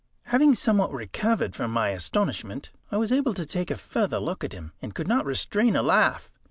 Having somewhat recovered from my astonishment, I was able to take a further look at him, and could not restrain a laugh.